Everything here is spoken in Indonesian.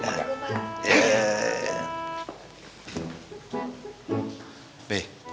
jangan lupa kan adok